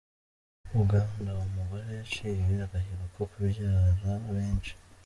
Uganda: Umugore yaciye agahigo ko kubyara benshi.